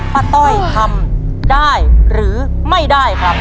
ต้อยทำได้หรือไม่ได้ครับ